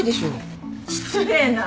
失礼な。